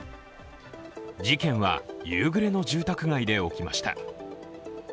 事件は夕暮れの住宅街で起きました。